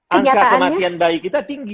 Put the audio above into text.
angka kematian bayi kita tinggi